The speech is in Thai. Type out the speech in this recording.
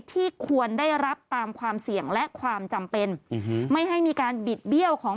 ที่ควรได้รับตามความเสี่ยงและความจำเป็น